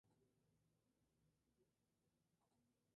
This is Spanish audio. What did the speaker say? De niña vivió en Roma donde sus padres eran embajadores de Panamá.